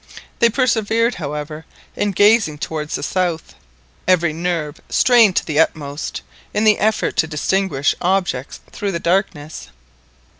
They persevered, however, in gazing towards the south, every nerve strained to the utmost, in the effort to distinguish objects through the darkness.